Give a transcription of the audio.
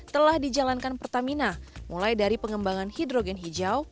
telah dijalankan pertamina mulai dari pengembangan hidrogen hijau